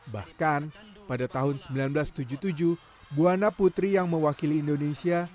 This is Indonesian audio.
bahkan pada tahun seribu sembilan ratus tujuh puluh tujuh buana putri yang mewakili indonesia